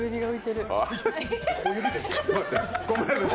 ちょっと待って。